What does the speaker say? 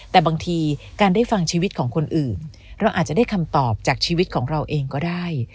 แต่บางทีการได้ฟังชีวิตของคนอื่นเราอาจจะได้คำตอบจากชีวิตของเราเองก็ได้